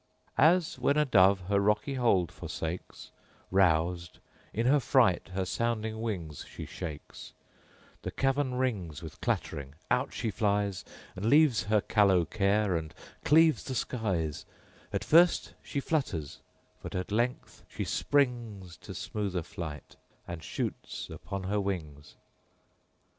As when a dove her rocky hold forsakes, Rous'd, in her fright her sounding wings she shakes; The cavern rings with clattering:—out she flies, And leaves her callow care, and cleaves the skies: At first she flutters:—but at length she springs To smoother flight, and shoots upon her wings.